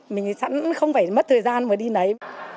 mình sẵn không phải mất thời gian mà đi nấy